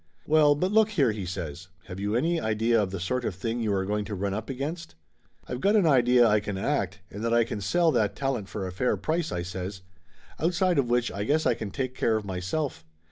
"Well, but look here!" he says. "Have you any idea of the sort of thing you are going to run up against ?" "I've got an idea I can act, and that I can sell that talent for a fair price," I says. "Outside of which I guess I can take care of myself.